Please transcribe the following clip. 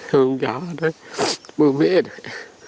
hơn cả đây bố mẹ này